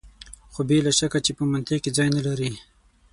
خو بې له شکه چې په منطق کې ځای نه لري.